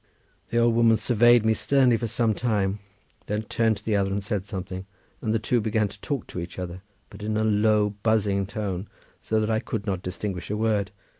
The old woman surveyed me sternly for some time, then turned to the other and said something, and the two began to talk to each other, but in a low, buzzing tone, so that I could not distinguish a word.